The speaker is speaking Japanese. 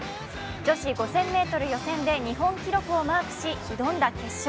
女子５０００ｍ予選で日本記録をマークし挑んだ決勝。